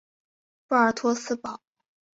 波尔托新堡。